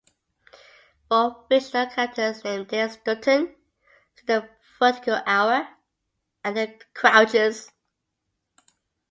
For fictional characters named "Dennis Dutton", see "The Vertical Hour" and "The Crouches".